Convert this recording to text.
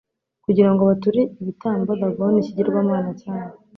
kugira ngo bature ibitambo dagoni, ikigirwamana cyabo